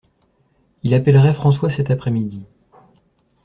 Il appellerait François cet après-midi.